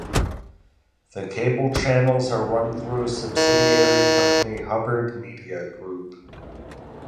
The cable channels are run through subsidiary company Hubbard Media Group.